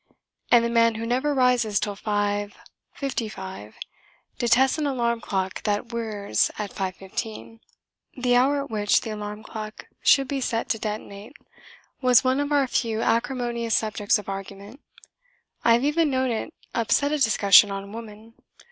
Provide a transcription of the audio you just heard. And the man who never rises till 5.55 detests an alarm clock that whirrs at 5.15. The hour at which the alarm clock should be set to detonate was one of our few acrimonious subjects of argument: I have even known it upset a discussion on Woman.